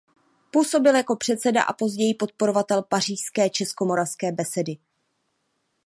Působil jako předseda a později podporovatel pařížské Českomoravské besedy.